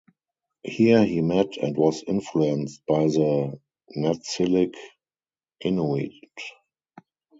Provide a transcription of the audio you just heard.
Here he met and was influenced by the Netsilik Inuit.